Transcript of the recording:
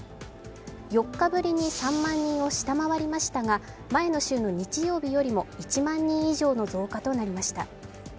４日ぶりに３万人を下回りましたが前の週の日曜日よりも１万人以上の増加となりました。